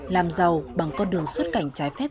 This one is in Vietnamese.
làm giàu bằng con đường xuất cảnh trái phép